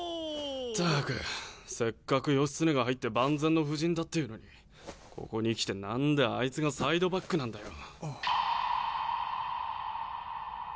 ったくせっかく義経が入って万全の布陣だっていうのにここに来て何であいつがサイドバックなんだよ。